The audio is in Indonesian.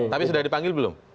tapi sudah dipanggil belum